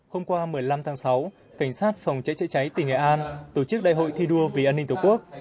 hôm qua một mươi năm tháng sáu cảnh sát phòng cháy chữa cháy tỉnh nghệ an tổ chức đại hội thi đua vì an ninh tổ quốc